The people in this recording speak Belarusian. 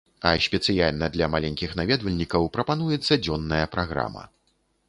А спецыяльна для маленькіх наведвальнікаў прапануецца дзённая праграма.